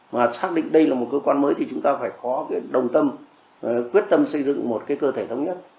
mà xác định đây là một cơ quan mới thì chúng ta phải có cái đồng tâm quyết tâm xây dựng một cái cơ thể thống nhất